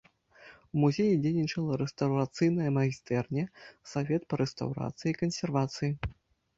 У музеі дзейнічала рэстаўрацыйная майстэрня, савет па рэстаўрацыі і кансервацыі.